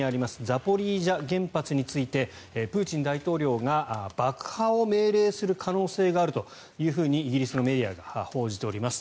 ザポリージャ原発についてプーチン大統領が爆破を命令する可能性があるというふうにイギリスのメディアが報じております。